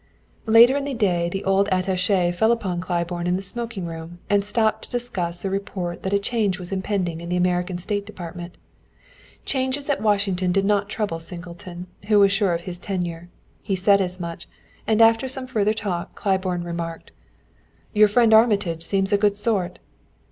Later in the day the old attaché fell upon Claiborne in the smoking room and stopped to discuss a report that a change was impending in the American State Department. Changes at Washington did not trouble Singleton, who was sure of his tenure. He said as much; and after some further talk, Claiborne remarked: "Your friend Armitage seems a good sort."